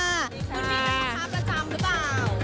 คนนี้เป็นลูกค้าประจำหรือเปล่า